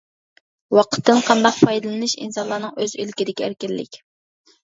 ۋاقىتتىن قانداق پايدىلىنىش ئىنسانلارنىڭ ئۆز ئىلكىدىكى ئەركىنلىك!